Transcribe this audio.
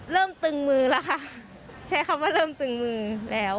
ตึงมือแล้วค่ะใช้คำว่าเริ่มตึงมือแล้ว